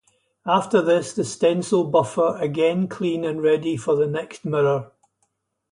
After this, the stencil buffer again clean and ready for the next mirror.